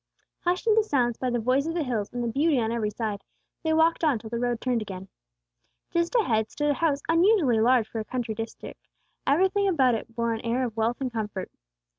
Hushed into silence by the voice of the hills and the beauty on every side, they walked on till the road turned again. Just ahead stood a house unusually large for a country district; everything about it bore an air of wealth and comfort.